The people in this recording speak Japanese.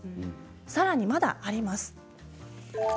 さらに、まだあります。